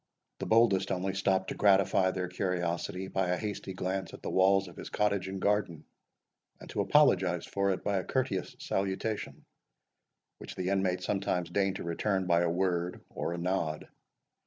The boldest only stopped to gratify their curiosity by a hasty glance at the walls of his cottage and garden, and to apologize for it by a courteous salutation, which the inmate sometimes deigned to return by a word or a nod.